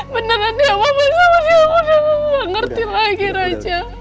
beneran dia mau sama dia aku udah gak ngerti lagi raja